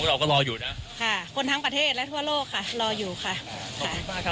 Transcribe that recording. เราก็รออยู่นะค่ะคนทั้งประเทศและทั่วโลกค่ะรออยู่ค่ะ